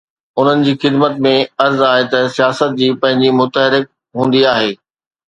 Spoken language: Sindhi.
انهن جي خدمت ۾ عرض آهي ته سياست جي پنهنجي متحرڪ هوندي آهي.